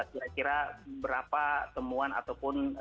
kira kira berapa temuan atau pemerintah yang akan ditanggung oleh bpkp